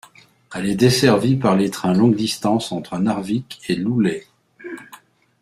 Elle est desservie par les trains longue distance entre Narvik et Luleå.